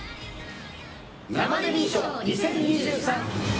生デミー賞２０２３。